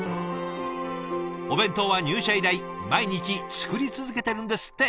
お弁当は入社以来毎日作り続けてるんですって。